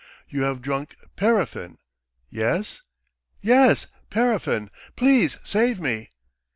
You have drunk paraffin. Yes?" "Yes, paraffin! Please save me!"